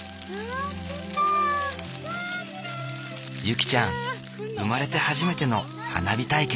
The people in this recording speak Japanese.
ゆきちゃん生まれて初めての花火体験。